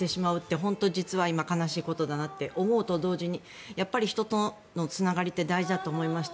本当に実は今悲しいことだなと思うと同時にやっぱり、人とのつながりって大事だと思いました。